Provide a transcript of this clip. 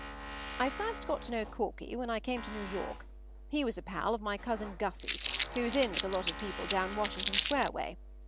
I first got to know Corky when I came to New York. He was a pal of my cousin Gussie, who was in with a lot of people down Washington Square way.